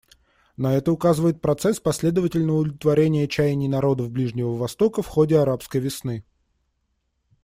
На это указывает процесс последовательного удовлетворения чаяний народов Ближнего Востока в ходе «арабской весны».